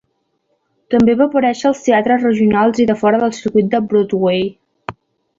També va aparèixer als teatres regionals i de fora del circuit de Broadway.